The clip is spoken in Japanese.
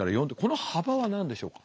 この幅は何でしょうか？